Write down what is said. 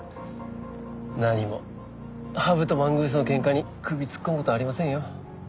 何もハブとマングースの喧嘩に首突っ込む事ありませんよ。